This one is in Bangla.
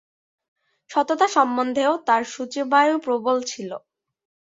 সততা সম্বন্ধেও তাঁর শুচিবায়ু প্রবল ছিল।